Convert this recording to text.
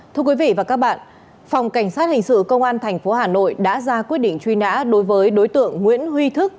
thưa quý vị và các bạn phòng cảnh sát hình sự công an tp hà nội đã ra quyết định truy nã đối với đối tượng nguyễn huy thức